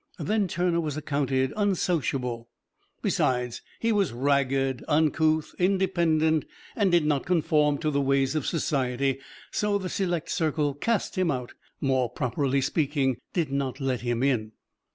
Then Turner was accounted unsociable; besides, he was ragged, uncouth, independent, and did not conform to the ways of society; so the select circle cast him out more properly speaking, did not let him in.